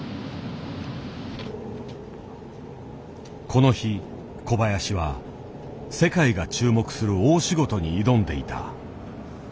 この日小林は世界が注目する大仕事に挑んでいた。